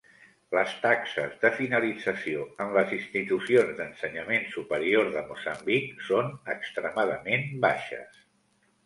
Les taxes de finalització en les institucions d'ensenyament superior de Moçambic són extremadament baixes.